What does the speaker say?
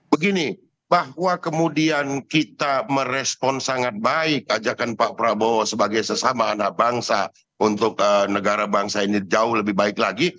begini bahwa kemudian kita merespon sangat baik ajakan pak prabowo sebagai sesama anak bangsa untuk negara bangsa ini jauh lebih baik lagi